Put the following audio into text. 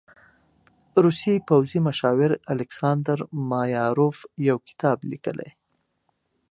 روسي پوځي مشاور الکساندر مایاروف يو کتاب لیکلی دی.